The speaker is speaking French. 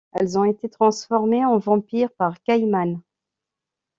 Elles ont été transformées en vampire par Khayman.